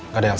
gak ada elsa